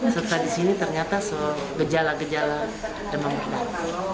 setelah di sini ternyata gejala gejala demam berdarah